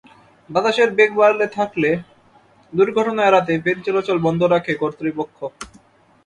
বাতাসের বেগ বাড়লে থাকলে দুর্ঘটনা এড়াতে ফেরি চলাচল বন্ধ রাখে কর্তৃপক্ষ।